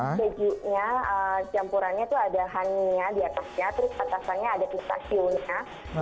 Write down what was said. dan campurannya tuh ada honey nya di atasnya terus atasnya ada pistachionya